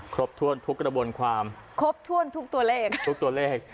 ครบถ้วนทุกกระบวนความครบถ้วนทุกตัวเลขฮะ